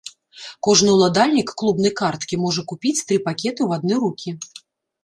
Кожны ўладальнік клубнай карткі можа купіць тры пакеты ў адны рукі.